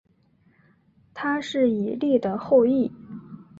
他是以利的后裔。